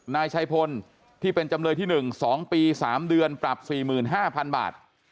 นายชัยพลที่เป็นจำเลยที่๑๒ปี๓เดือนปรับ๔๕๐๐๐บาท